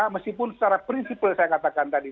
meskipun secara prinsipal saya katakan tadi